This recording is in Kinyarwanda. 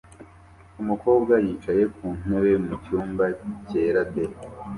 Umukobwa yicaye ku ntebe mu cyumba cyera de